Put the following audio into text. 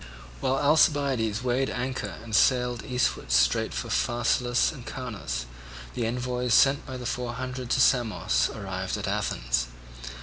While Alcibiades weighed anchor and sailed eastward straight for Phaselis and Caunus, the envoys sent by the Four Hundred to Samos arrived at Athens.